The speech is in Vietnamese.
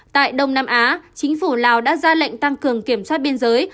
tại đông nam á chính phủ lào đã ra lệnh tăng cường kiểm soát biên giới